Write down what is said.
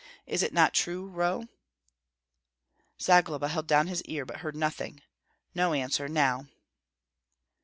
Is it not true, Roh?" Zagloba held down his ear, but heard nothing, no answer now.